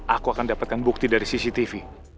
aku akan dapatkan bukti dari cctv